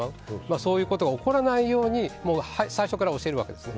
そういうことが起こらないように最初から教えるわけです。